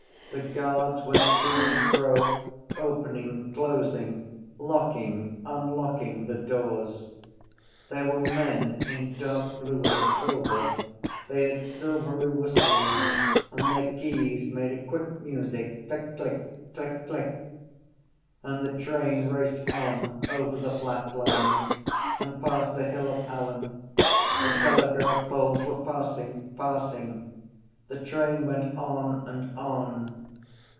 The guards went to and fro opening, closing, locking, unlocking the doors. They were men in dark blue and silver; they had silvery whistles and their keys made a quick music: click, click: click, click. And the train raced on over the flat lands and past the Hill of Allen. The telegraph poles were passing, passing. The train went on and on.